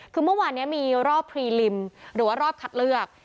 คือเมื่อวานนี้มีรอบพรีลิมหรือว่ารอบคัดเลือก